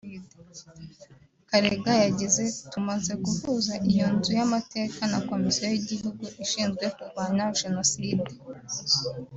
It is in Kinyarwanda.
Karega yagize “Tumaze guhuza iyo nzu y’amateka na Komisiyo y’igihugu ishinzwe kurwanya Jenoside